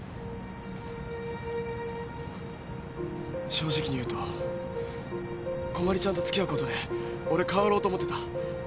正直に言うとこまりちゃんと付き合うことで俺変わろうと思ってた。